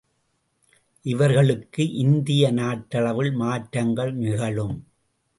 இவர்களுக்கு இந்திய நாட்டளவில் மாற்றங்கள் நிகழும்.